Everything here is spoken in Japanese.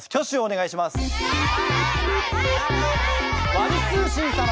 ワル通信様。